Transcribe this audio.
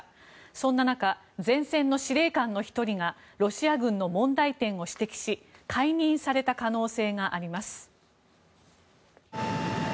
そんな中、前線の司令官の１人がロシア軍の問題点を指摘し解任された可能性があります。